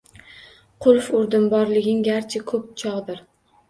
Qulf urdim, borliging garchi ko‘p cho‘g‘dir